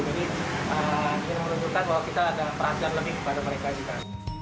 jadi kita menuntutkan bahwa kita ada perhatian lebih kepada mereka juga